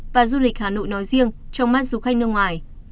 và du lịch hà nội nói riêng trong mắt du khách nước ngoài